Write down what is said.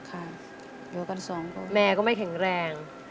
ค่ะอยู่กันสองคนแม่ก็ไม่แข็งแรง